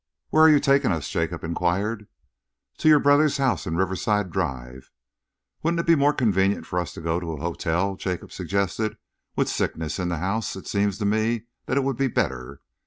"Where are you taking us?" Jacob enquired. "To your brother's house in Riverside Drive." "Wouldn't it be more convenient for us to go to an hotel?" Jacob suggested. "With sickness in the house, it seems to me that it would be better."